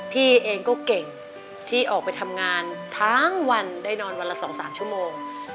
พี่เองก็เก่งที่ออกไปทำงานทั้งวันได้นอนวันละ๒๓ชั่วโมง